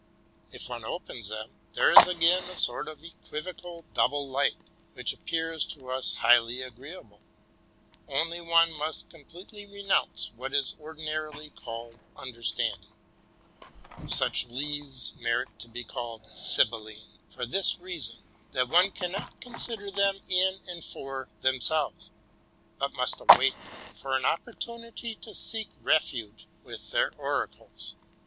If one opens them, there is again a sort of equivocal double light, which appears to us highly agreeable: only one must completely renounce what is ordinarily called understanding. Such leaves merit to be called sybilline, for this reason: that one cannot con sider them in and for themselves, but must wait for an opportunity to seek refuge with their oracles.